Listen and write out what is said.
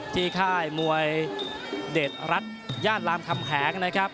ที่ค่ายมวยเดชรัติยาบาทนรำทำแหงนะครับ